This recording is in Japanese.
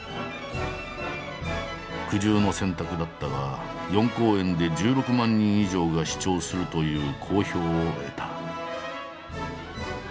苦渋の選択だったが４公演で１６万人以上が視聴するという好評を得た。